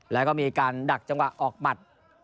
แล้วก็มีการดักจังหวะออกหมัด